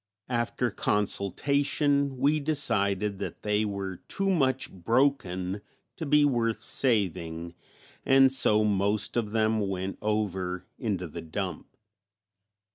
After consultation we decided that they were too much broken to be worth saving and so most of them went over into the dump.